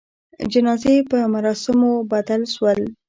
جنازې په مراسموبدل سول.